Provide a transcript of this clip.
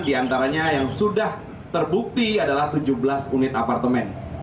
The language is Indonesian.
di antaranya yang sudah terbukti adalah tujuh belas unit apartemen